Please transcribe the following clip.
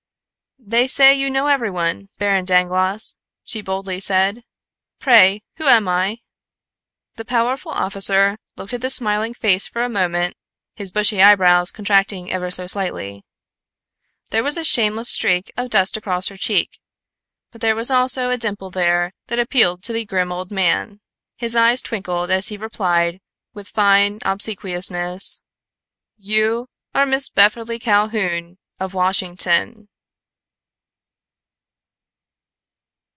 "They say you know everyone, Baron Dangloss," she boldly said. "Pray, who am I?" The powerful official looked at the smiling face for a moment, his bushy eyebrows contracting ever so slightly. There was a shameless streak of dust across her cheek, but there was also a dimple there that appealed to the grim old man. His eyes twinkled as he replied, with fine obsequiousness: "You are Miss Beverly Calhoun, of Washington."